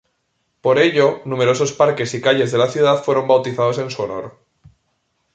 Por ello, numerosos parques y calles de la ciudad fueron bautizados en su honor.